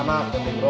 demi anak demi bro